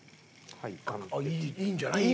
あっいいんじゃない？